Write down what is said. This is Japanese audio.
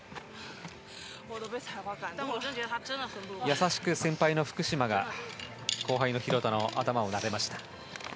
優しく先輩の福島が後輩の廣田の頭をなでました。